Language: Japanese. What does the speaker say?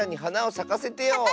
さかせてよ！